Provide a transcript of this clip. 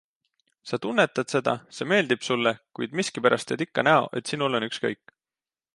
Sa tunnetad seda, see meeldib sulle, kuid miskipärast teed ikka näo, et sinul on ükskõik.